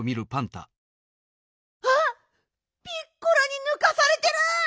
あっピッコラにぬかされてる！